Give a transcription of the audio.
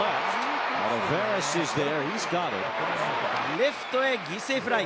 レフトへ犠牲フライ。